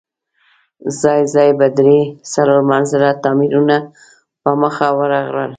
ځای ځای به درې، څلور منزله تاميرونه په مخه ورغلل.